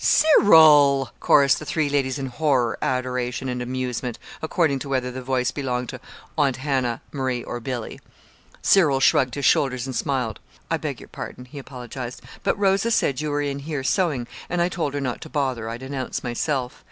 "Cyril!" chorussed the three ladies in horror, adoration, and amusement according to whether the voice belonged to Aunt Hannah, Marie, or Billy. Cyril shrugged his shoulders and smiled. "I beg your pardon," he apologized; "but Rosa said you were in here sewing, and I told her not to bother. I'd announce myself.